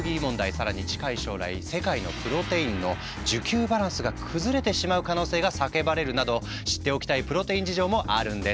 更に近い将来世界のプロテインの需給バランスが崩れてしまう可能性が叫ばれるなど知っておきたいプロテイン事情もあるんです。